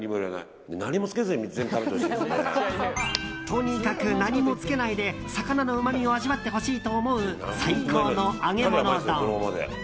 とにかく何もつけないで魚のうまみを味わってほしいと思う最高の揚げ物丼。